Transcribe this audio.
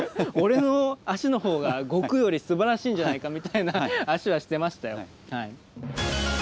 俺の脚の方が悟空よりすばらしいんじゃないかみたいな脚はしてましたよ。